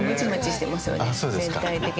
全体的に。